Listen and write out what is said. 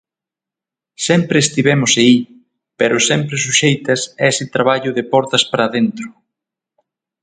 Sempre estivemos aí, pero sempre suxeitas a ese traballo de portas para dentro.